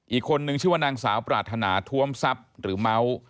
อีกคนนึงชื่อนางสาวปราธนาทวมซับหรือเมา